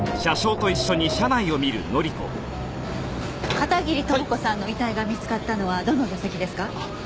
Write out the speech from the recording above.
片桐朋子さんの遺体が見つかったのはどの座席ですか？